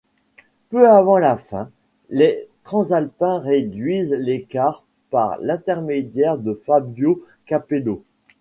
Peu avant la fin, les Transalpins réduisent l'écart par l'intermédiaire de Fabio Capello.